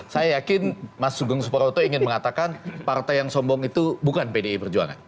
saya yakin mas sugeng suproto ingin mengatakan partai yang sombong itu bukan pdi perjuangan